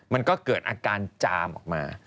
มันก็เกิดอาการจามออกมา